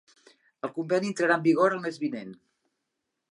El conveni entrarà en vigor el mes vinent.